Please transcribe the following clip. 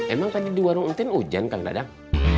emang tadi di warung untuk ujian kang dadang